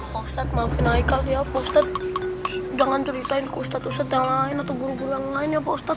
pak ustadz maafin heikal ya pak ustadz jangan ceritain ke ustadz ustadz yang lain atau guru guru yang lain ya pak ustadz